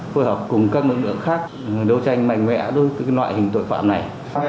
phối hợp cùng các nội lượng khác đấu tranh mạnh mẽ đối với cái loại hình tội phạm này